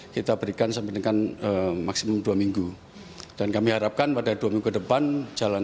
kita berikan sampai dengan maksimum dua minggu dan kami harapkan pada dua minggu depan jalan